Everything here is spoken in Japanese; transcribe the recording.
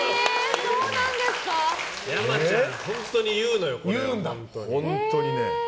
やまちゃん、本当に言うのよ。